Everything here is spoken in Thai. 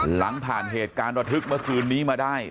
หลังผ่านเหตุการณ์ระทึกเมื่อคืนนี้มาได้